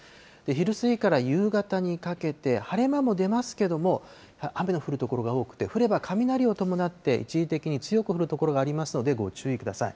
昼過ぎから夕方にかけて、晴れ間も出ますけれども、雨の降る所が多くて、降れば雷を伴って、一時的に強く降る所がありますので、ご注意ください。